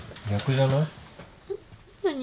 何？